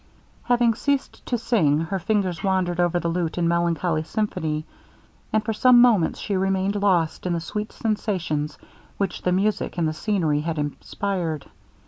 Having ceased to sing, her fingers wandered over the lute in melancholy symphony, and for some moments she remained lost in the sweet sensations which the music and the scenery had inspired.